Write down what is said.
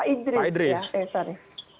untuk bukan hanya mengorek tentang friksi antara